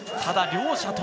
ただ、両者